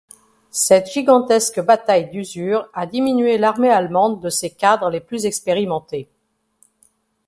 Cette gigantesque bataille d'usure a diminué l'armée allemande de ses cadres les plus expérimentés.